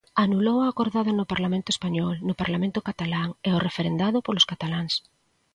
Anulou o acordado no Parlamento español, no Parlamento catalán, e o referendado polos cataláns.